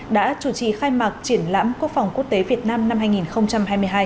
đã chủ trì khai mạc triển lãm quốc phòng quốc tế việt nam năm hai nghìn hai mươi hai